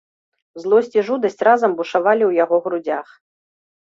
Злосць і жудасць разам бушавалі ў яго грудзях.